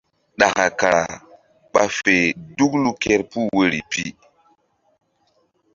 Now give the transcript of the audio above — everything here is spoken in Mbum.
Ɗaka kara ɓa fe duklu kerpuh woyri pi.